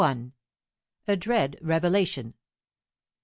A DREAD REVELATION.